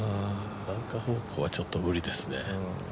バンカー方向はちょっと無理ですね。